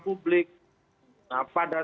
publik nah pada